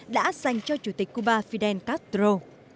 đã dành cho chủ tịch cuba fidel castro